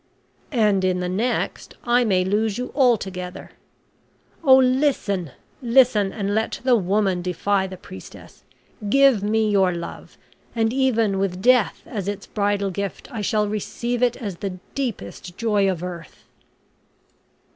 "And in the next I may lose you altogether. Oh listen listen, and let the woman defy the priestess. Give me your love, and, even with Death as its bridal gift I shall receive it as the deepest joy of earth."